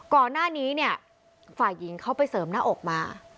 ก่อนหน้านี้เนี่ยฝ่ายหญิงเขาไปเสริมหน้าอกมา